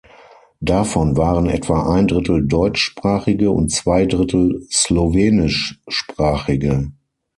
Davon waren etwa ein Drittel Deutschsprachige und zwei Drittel Slowenischsprachige.